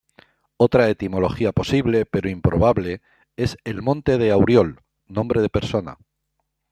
Otra etimología posible, pero improbable, es el "monte de Auriol", nombre de persona.